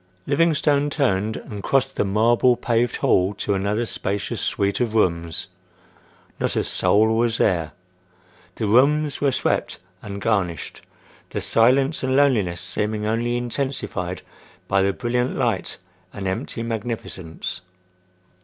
Livingstone turned and crossed the marble paved hall to another spacious suite of rooms. Not a soul was there. The rooms were swept and garnished, the silence and loneliness seeming only intensified by the brilliant light and empty magnificence.